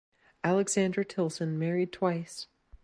Alexandra Tillson married twice.